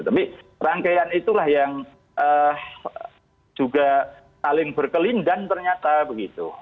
tapi rangkaian itulah yang juga saling berkelindan ternyata begitu